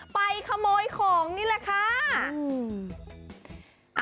ไปขโมยของนี่แหละค่ะ